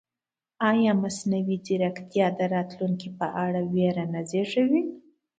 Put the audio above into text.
ایا مصنوعي ځیرکتیا د راتلونکي په اړه وېره نه زېږوي؟